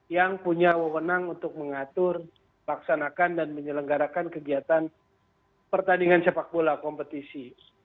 yang punya wewenang untuk mengatur laksanakan dan menyelenggarakan kegiatan pertandingan sepak bola kompetisi